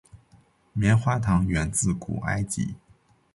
棉花糖源自古埃及。